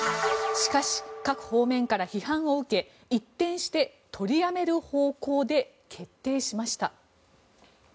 しかし、各方面から批判を受け一転して取りやめる方向で決定しました。